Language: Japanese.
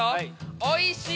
おいしい？